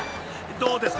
どうですか？］